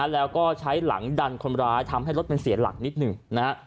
แล้วก็ใช้หลังดันคนร้ายทำให้รถมันเสียหลักนิดหนึ่งนะฮะ